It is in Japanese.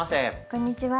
こんにちは。